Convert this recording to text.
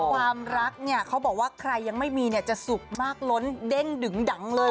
ความรักเนี่ยเขาบอกว่าใครยังไม่มีเนี่ยจะสุขมากล้นเด้งดึงดังเลย